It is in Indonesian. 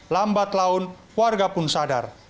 lambat laun warga pun sadar